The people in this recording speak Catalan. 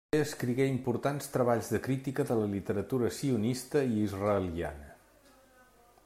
També escrigué importants treballs de crítica de la literatura sionista i israeliana.